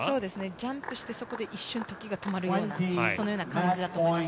ジャンプしてそこで一瞬時が止まるようなそのような感じだと思います。